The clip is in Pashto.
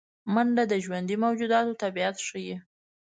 منډه د ژوندي موجوداتو طبیعت ښيي